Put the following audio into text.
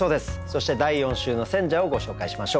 そして第４週の選者をご紹介しましょう。